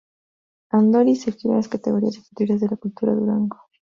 Andoni se crió en las categorías inferiores de la Cultural Durango.